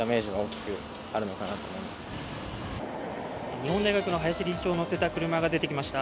日本大学の林理事長を乗せた車が出てきました。